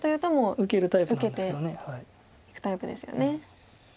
受けていくタイプですよね。